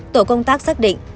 tổ công tác xác định